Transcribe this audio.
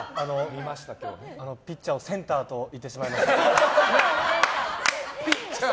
ピッチャーをセンターと言ってしまいまして。